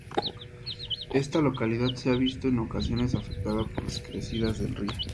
Esta localidad se ha visto en ocasiones afectada por las crecidas del río.